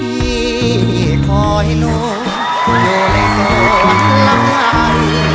ยีขอยโน้นโบแลโบขอหลังไข